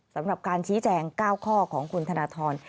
สำหรับการชี้แจง๙ข้อของคุณธนทร